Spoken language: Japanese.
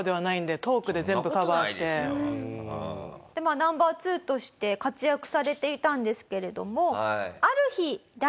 Ｎｏ．２として活躍されていたんですけれども。